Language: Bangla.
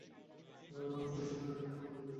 মানে সব সিদ্ধান্তের একটা পরিণতি আছে।